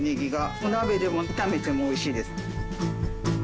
お鍋でも炒めても美味しいです。